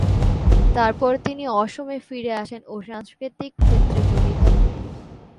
তারপর তিনি অসমে ফিরে আসেন ও সাংস্কৃতিক ক্ষেত্রে জড়িত হন।